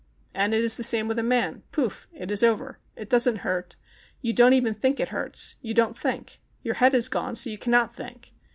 And it is the same with a man. Pouf ! ã it is over. It doesn't hurt, ^'ou don't even think it hurts. You don't think. Your head is gone, so you cannot think.